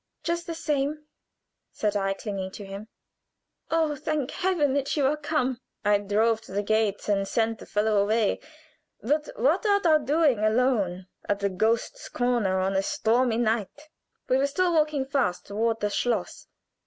"Just the same," said I, clinging to him. "Oh, thank Heaven that you are come!" "I drove to the gates, and sent the fellow away. But what art thou doing alone at the Ghost's Corner on a stormy night?" We were still walking fast toward the schloss.